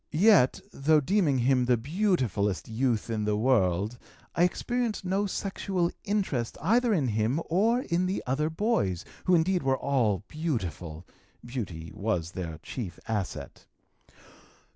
Yet, though deeming him the beautifulest youth in the world, I experienced no sexual interest either in him or in the other boys, who indeed were all beautiful beauty was their chief asset.